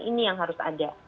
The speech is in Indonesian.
ini yang harus ada